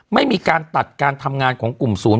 ไม่มีการตัดการทำงานของกลุ่มศูนย์